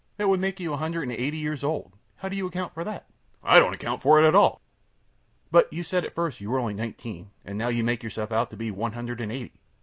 That would make you a hundred and eighty years old. How do you account for that? A. I don't account for it at all. Q. But you said at first you were only nineteen, and now you make yourself out to be one hundred and eighty.